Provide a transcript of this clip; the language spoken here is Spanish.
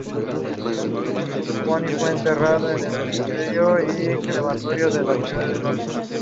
En su territorio se encuentra la Central de abastos de la Ciudad de Puebla.